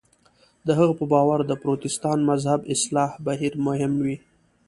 د هغه په باور د پروتستان مذهب اصلاح بهیر مهم و.